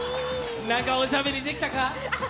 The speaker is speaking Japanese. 中でおしゃべりできたか？